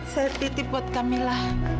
saya titip buat kamila